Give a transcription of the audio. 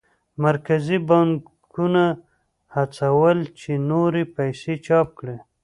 مرکزي بانکونه هڅول چې نورې پیسې چاپ کړي.